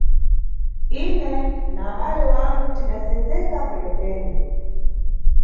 Ine na abale wangu tidasendzeka kwenekwene.